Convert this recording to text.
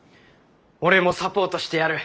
俺もサポートしてやる。